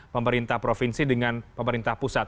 pemerintah provinsi dengan pemerintah pusat